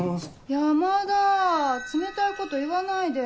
山田冷たいこと言わないで。